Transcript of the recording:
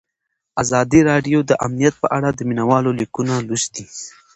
ازادي راډیو د امنیت په اړه د مینه والو لیکونه لوستي.